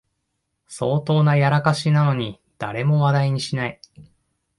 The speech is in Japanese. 相当なやらかしなのに誰も話題にしない